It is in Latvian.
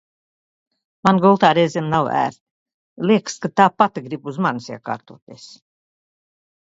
Man gultā reizēm nav ērti, liekas, ka tā pati grib uz manis iekārtoties.